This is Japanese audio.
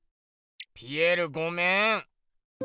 ピエールごめん。